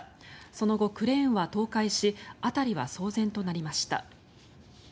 その後、クレーンは倒壊し辺りは騒然となりました。